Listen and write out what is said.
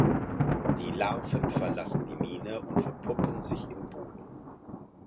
Die Larven verlassen die Mine und verpuppen sich im Boden.